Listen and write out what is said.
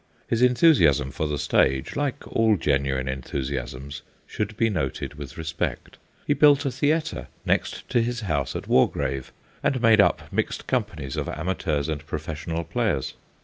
His enthusiasm for the stage, like all genuine enthusiasms, should be noted with respect. He built a theatre next to his house at Wargrave, and made up mixed companies of amateurs and professional players.